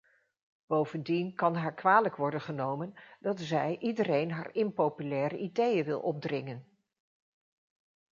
Bovendien kan haar kwalijk worden genomen dat zij iedereen haar impopulaire ideeën wil opdringen.